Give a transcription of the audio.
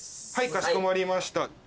かしこまりました。